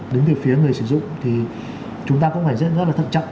đứng từ phía người sử dụng thì chúng ta cũng phải rất là thận trọng